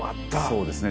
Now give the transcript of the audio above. そうですね。